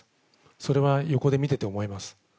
それは横で見てて思います。